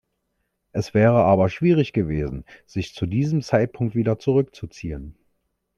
Es wäre aber schwierig gewesen, sich zu diesem Zeitpunkt wieder zurückzuziehen.